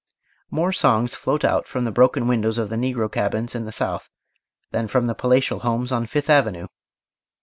More songs float out from the broken windows of the negro cabins in the South than from the palatial homes on Fifth Avenue.